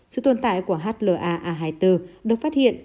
sự tồn tại của hla a hai mươi bốn được phát hiện